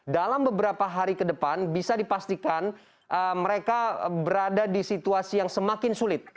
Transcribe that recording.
dalam beberapa hari ke depan bisa dipastikan mereka berada di situasi yang semakin sulit